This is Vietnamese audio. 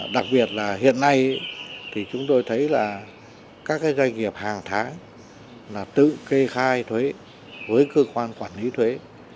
đặc biệt là hiện nay thì chúng tôi thấy là các doanh nghiệp hàng tháng là tự kê khai thuế với cơ quan quản lý thuế